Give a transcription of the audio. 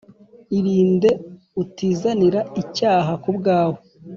irinde utizanira icyaha ku bwawe